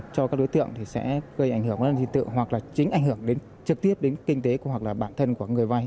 cho các đối tượng thì sẽ gây ảnh hưởng đến tự hoặc là chính ảnh hưởng đến trực tiếp đến kinh tế hoặc là bản thân của người vay